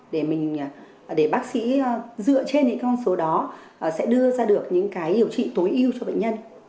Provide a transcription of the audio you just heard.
để bác sĩ dựa trên những con số đó sẽ đưa ra được những điều trị tối ưu cho bệnh nhân